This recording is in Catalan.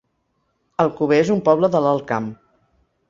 Alcover es un poble de l'Alt Camp